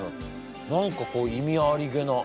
何かこう意味ありげな。